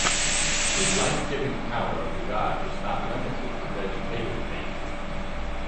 The life-giving power of the god was not limited to vegetative nature.